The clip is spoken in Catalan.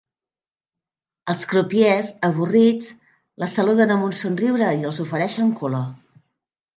Els crupiers, avorrits, les saluden amb un somriure i els ofereixen color.